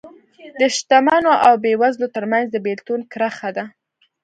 د شتمنو او بېوزلو ترمنځ د بېلتون کرښه ده